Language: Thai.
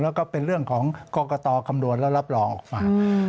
แล้วก็เป็นเรื่องของกรกตคำนวณแล้วรับรองออกมา